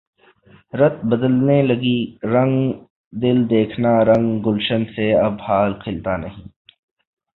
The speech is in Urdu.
رت بدلنے لگی رنگ دل دیکھنا رنگ گلشن سے اب حال کھلتا نہیں